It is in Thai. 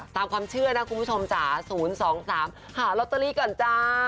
ตามความเชื่อนะคุณผู้ชมจ๋า๐๒๓หาลอตเตอรี่ก่อนจ้า